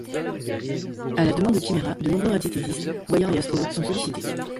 À la demande de Kimera, de nombreux radiesthésistes, voyants et astrologues sont sollicités.